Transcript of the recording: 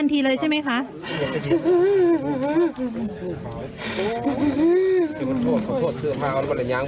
น้องทันทีเลยใช่ไหมคะ